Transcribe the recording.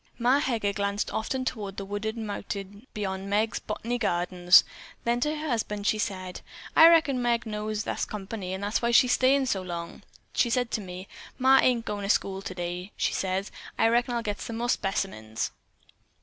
Ma Heger glanced often toward the wooded mountain beyond Meg's "Bot'ny Gardens." Then to her husband she said: "I reckon Meg knows thar's company, an' that's why she's stayin' so long. She said to me, 'Ma, I ain't agoin' to school today,' says she. 'I reckon I'll get some more specimens.'"